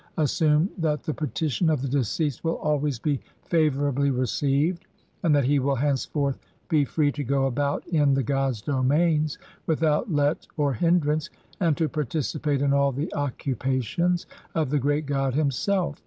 CVII assumed that the petition of the deceased will always be favourably received, and that he will henceforth be free to go about in the god's domains without let or hindrance, and to participate in all the occu pations of the great god himself.